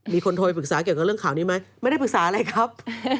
มีคนโทรไปปรึกษาเกี่ยวกับเรื่องข่าวนี้ไหมไม่ได้ปรึกษาอะไรครับ